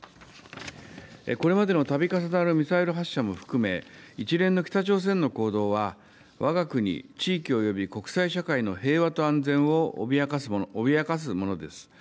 これまでのたび重なるミサイル発射も含め、一連の北朝鮮の行動は、わが国、地域および国際社会の平和と安全を脅かすものです。